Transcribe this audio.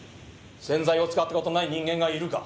洗剤を使ったことない人間がいるか？